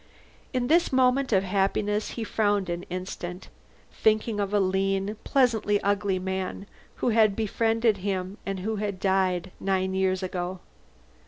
In this moment of happiness he frowned an instant, thinking of a lean, pleasantly ugly man who had befriended him and who had died nine years ago.